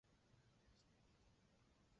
然而因为同治十年七月廿八日请水。